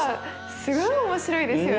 すごい面白いですよね。